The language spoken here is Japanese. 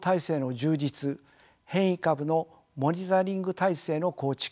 変異株のモニタリング体制の構築